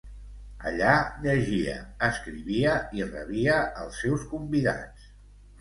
Allà llegia, escrivia i rebia els seus convidats.